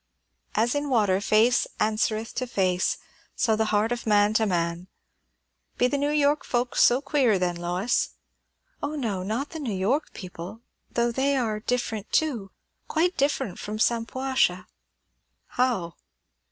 "'As in water face answereth to face, so the heart of man to man.' Be the New York folks so queer, then, Lois?" "O no, not the New York people; though they are different too; quite different from Shampuashuh " "How?"